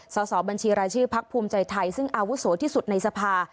สอบบัญชีรายชื่อพักภูมิใจไทยซึ่งอาวุโสที่สุดในสภา